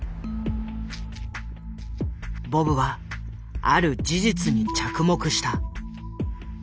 ボブはある事実に着目した。